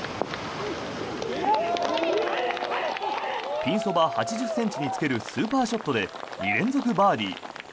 ピンそば８０ｃｍにつけるスーパーショットで２連続バーディー。